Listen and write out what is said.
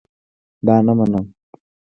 دا نه منم